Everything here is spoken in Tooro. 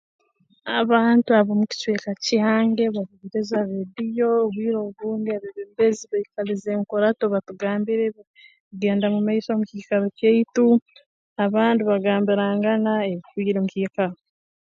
Abantu ab'omu kicweka kyange bahuliriza rreediyo bwire obundi abeebembezi baikaliza enkurato batugambira ebi kugenda mu maiso mu kiikaro kyaitu abandi bagambirangana ebifiiire omu kiikaro